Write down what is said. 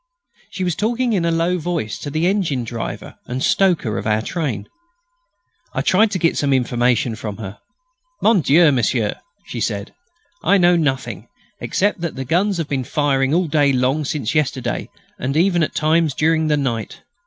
She was talking in a low voice to the engine driver and stoker of our train. I tried to get some information from her. "Mon Dieu, monsieur," she said, "I know nothing, except that the guns have been firing all day long since yesterday, and even at times during the night.